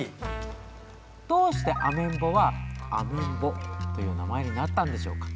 どうしてアメンボはアメンボという名前になったんでしょうか。